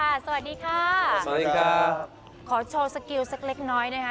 สวัสดีค่ะขอโชว์สกิลสักเล็กน้อยนะค่ะ